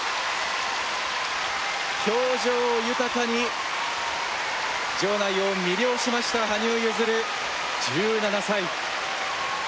表情豊かに場内を魅了しました羽生結弦１７歳。